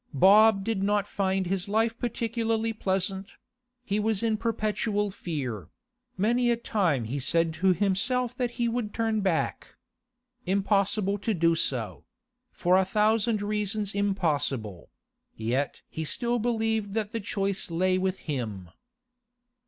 Bob did not find his life particularly pleasant; he was in perpetual fear; many a time he said to himself that he would turn back. Impossible to do so; for a thousand reasons impossible; yet he still believed that the choice lay with him.